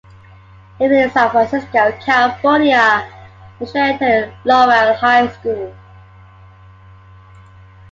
Living in San Francisco, California, Meschery attended Lowell High School.